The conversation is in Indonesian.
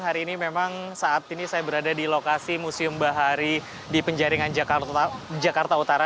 hari ini memang saat ini saya berada di lokasi museum bahari di penjaringan jakarta utara